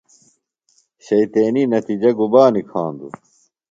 شیطینی نتیِجہ گُبا نِکھاندُوۡ؟